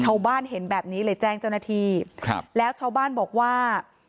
ชาวบ้านเห็นแบบนี้เลยแจ้งเจ้าหน้าที่ครับแล้วชาวบ้านบอกว่า